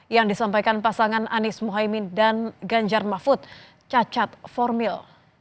yang disampaikan pasangan anies mohaimin dan ganjar mahfud cacat formil